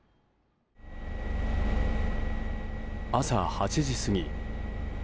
朝８時過ぎ。